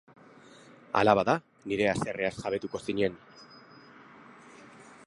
Hala bada, nire haserreaz jabetuko zinen.